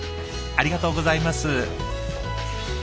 ありがとうございます。